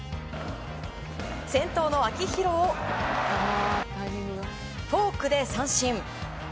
先頭の秋広をフォークで三振。